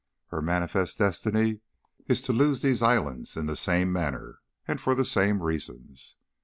Her manifest destiny is to lose these islands in the same manner and for the same reasons.